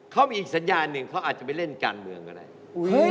เขามีอีกสัญญาณหนึ่งเขาอาจจะไปเล่นการเมืองก็ได้